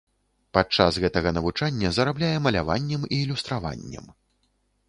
Падчас гэтага навучання зарабляе маляваннем і ілюстраваннем.